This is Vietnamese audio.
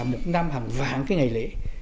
một năm hàng vãng cái ngày lễ